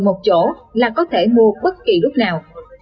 một chỗ là có thể mua bất kỳ lúc nào